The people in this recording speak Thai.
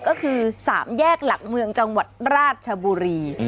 ก็คือ๓แยกหลักเมืองจังหวัดราชบุรี